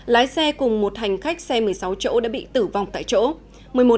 lái xe cùng một hành khách xe một mươi sáu chỗ đã bị tử vong tại chỗ